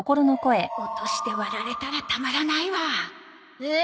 落として割られたらたまらないわえ！